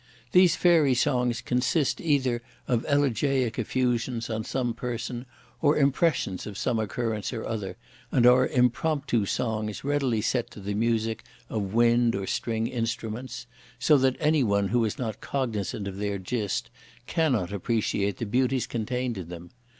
These fairy songs consist either of elegaic effusions on some person or impressions of some occurrence or other, and are impromptu songs readily set to the music of wind or string instruments, so that any one who is not cognisant of their gist cannot appreciate the beauties contained in them.